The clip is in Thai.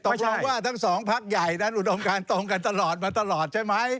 ชองว่าทั้งสองพักใหญ่นั้นอุดมการตรงกันตลอดมาตลอดใช่ไหม